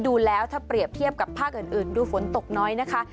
ดูแล้วถ้าเปรียบเทียบกับภาคอื่นดูฝนตกน้อยนะคะ